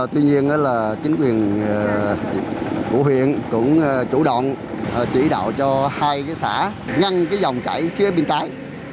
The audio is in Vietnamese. tuy nhiên chính quyền của huyện cũng chủ động chỉ đạo cho hai xã ngăn dòng chảy phía bên trái